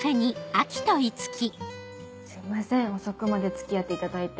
すいません遅くまで付き合っていただいて。